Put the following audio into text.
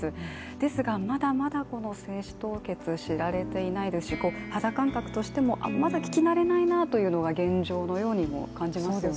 ですが、まだまだこの精子凍結知られていないですし、肌感覚としてもまだ聞き慣れないなというのが現状のようにも感じますよね。